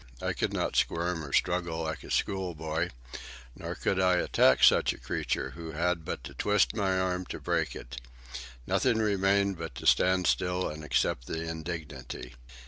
I could not squirm or struggle like a schoolboy. Nor could I attack such a creature who had but to twist my arm to break it. Nothing remained but to stand still and accept the indignity.